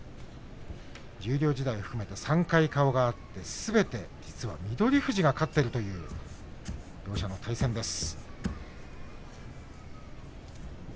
十両時代含めて３回顔が合ってすべて翠富士が勝っているという両者の対戦です。